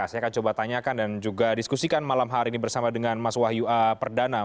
saya akan coba tanyakan dan juga diskusikan malam hari ini bersama dengan mas wahyu perdana